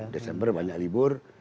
desember banyak libur